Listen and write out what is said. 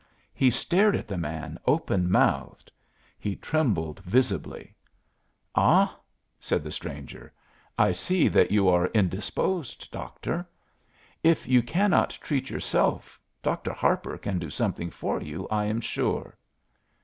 He stared at the man, open mouthed; he trembled visibly. "Ah!" said the stranger, "I see that you are indisposed, Doctor. If you cannot treat yourself Dr. Harper can do something for you, I am sure."